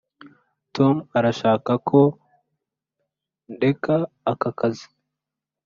tom arashaka ko ndeka aka kazi.